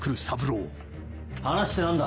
・話って何だ？